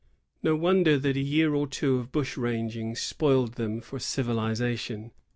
No wonder that a year or two of bush ranging spoiled them for civilization.